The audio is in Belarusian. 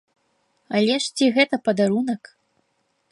Але ж ці гэта падарунак?!